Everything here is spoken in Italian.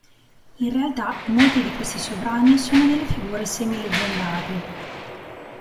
In realtà, molti di questi sovrani sono delle figure semi-leggendarie.